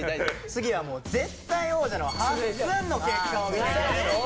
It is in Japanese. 次はもう絶対王者のはっすんの結果を見ていきましょう。